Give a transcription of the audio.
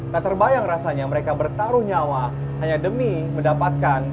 tak terbayang rasanya mereka bertaruh nyawa hanya demi mendapatkan